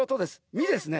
ミですね。